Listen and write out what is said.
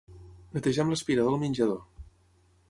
Netejar amb l'aspirador el menjador.